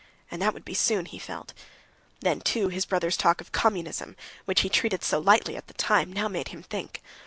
And that would be soon, he felt. Then, too, his brother's talk of communism, which he had treated so lightly at the time, now made him think.